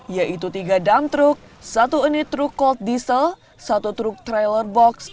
yaitu tiga dam truk satu unit truk cold diesel satu truk trailer box